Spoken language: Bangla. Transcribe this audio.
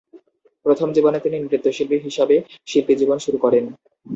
প্রথম জীবনে তিনি নৃত্যশিল্পী হিসাবে শিল্পী জীবন শুরু করেন।